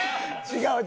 違う。